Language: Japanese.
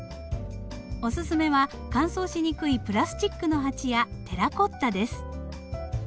おすすめは乾燥しにくいプラスチックの鉢やテラコッタです。